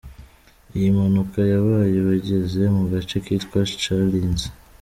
Iyi mpanuka yabaye bageze mu gace kitwa Chalinze.